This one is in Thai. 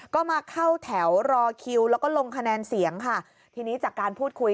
ก็มาเข้าแถวรอคิวแล้วก็ลงคะแนนเสียงค่ะทีนี้จากการพูดคุย